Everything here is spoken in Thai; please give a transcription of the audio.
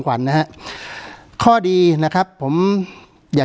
การแสดงความคิดเห็น